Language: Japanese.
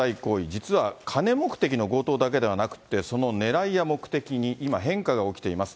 実は金目的の強盗だけではなくって、そのねらいや目的に今、変化が起きています。